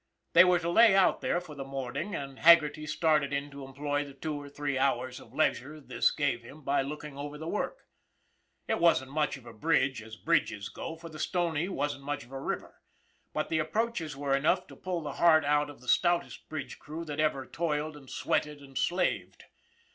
They were to lay out there for the morning, and Haggerty started in to employ the two or three hours of leisure this gave him by looking over the work. It wasn't much of a bridge as bridges go, for the Stony wasn't much of a river; but the approaches were enough to pull the heart out of the stoutest bridge crew that ever toiled and sweated and slaved.